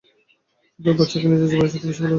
সে তার বাচ্চাকে নিজের জীবনের চাইতে বেশি ভালোবাসে।